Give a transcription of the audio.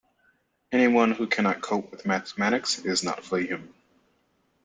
Anyone who cannot cope with mathematics is not fully human.